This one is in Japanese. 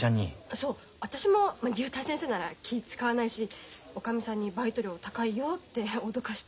そう私も竜太先生なら気ぃ遣わないしおかみさんにバイト料高いよって脅かして。